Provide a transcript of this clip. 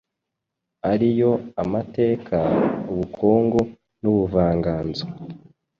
ariyo Amateka, Ubukungu n’Ubuvanganzo.